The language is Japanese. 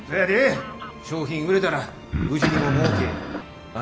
商品売れたらうちにももうけあんねんから。